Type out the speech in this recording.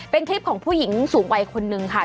เป็นคลิปของผู้หญิงสูงวัยคนนึงค่ะ